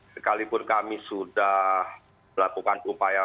sekalipun kami sudah melakukan upaya